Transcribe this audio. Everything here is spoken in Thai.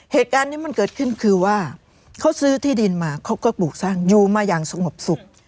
เหตุการณ์นี้มันเกิดขึ้นคือว่าเขาซื้อที่ดินมาเขาก็ปลูกสร้างอยู่มาอย่างสงบสุข